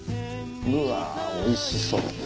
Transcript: うわおいしそう。